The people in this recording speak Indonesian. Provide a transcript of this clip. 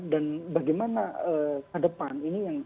dan bagaimana ke depan